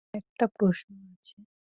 একটা প্রশ্ন আছে।